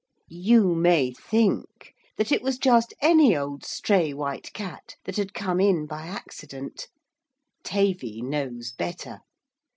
You may think that it was just any old stray white cat that had come in by accident. Tavy knows better.